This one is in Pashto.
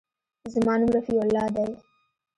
زما نوم رفيع الله دى.